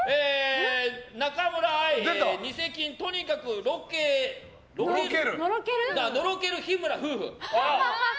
中村愛＆ニセキンとにかくノロケる日村夫婦。